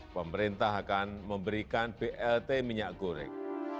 pemerintah akan memberikan blt minyak goreng